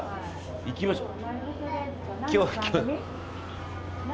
いきましょう。